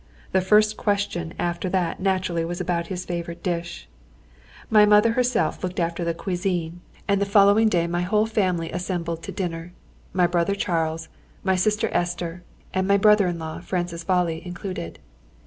The first question after that naturally was about his favourite dish. My mother herself looked after the cuisine, and the following day the whole family assembled to dinner my brother Charles, my sister Esther, and my brother in law Francis Vály included.